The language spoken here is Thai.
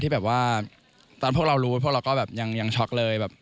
ที่แบบว่าตอนพวกเรารู้พวกเราก็ยังช็อกเลย